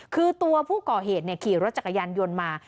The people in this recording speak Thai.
คือตัวผู้ก่อเหตุขี่รถจักรยานยนต์มา